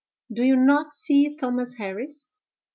Do you not see Thomas Harris?